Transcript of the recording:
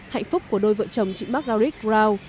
hạnh phúc của đôi vợ chồng chị bác gaurit rao